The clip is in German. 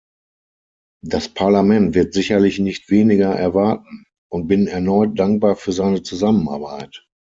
Das Parlament wird sicherlich nicht weniger erwarten, und bin erneut dankbar für seine Zusammenarbeit.